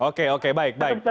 oke oke baik baik